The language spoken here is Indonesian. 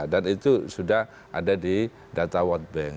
itu sudah ada di data world bank